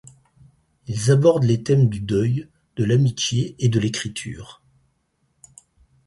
Ils abordent les thèmes du deuil, de l'amitié et de l'écriture.